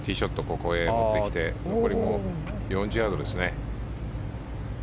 ここに持ってきて残り４０ヤードですね。